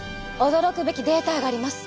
驚くべきデータがあります。